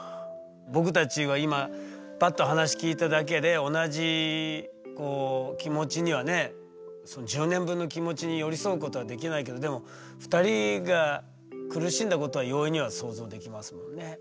僕たちは今パッと話聞いただけで同じ気持ちにはねその１０年分の気持ちに寄り添うことはできないけどでも２人が苦しんだことは容易には想像できますもんね。